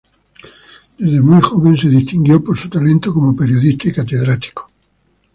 Desde muy joven se distinguió por su talento como periodista y catedrático.